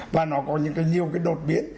và nó có nhiều cái đột biến